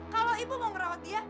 kalau ibu mau ngerawat dia